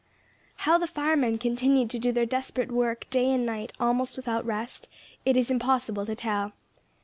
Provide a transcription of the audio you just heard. How the firemen continued to do their desperate work, day and night, almost without rest, it is impossible to tell.